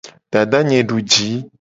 Dadanye duji.